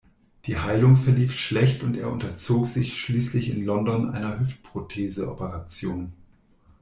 Die Heilung verlief schlecht und er unterzog sich schließlich in London einer Hüftprothese-Operation.